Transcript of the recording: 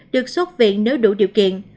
được xuất viện nếu đủ điều kiện